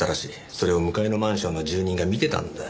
それを向かいのマンションの住人が見てたんだよ。